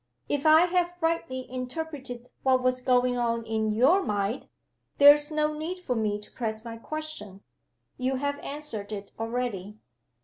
If I have rightly interpreted what was going on in your mind, there is no need for me to press my question. You have answered it already."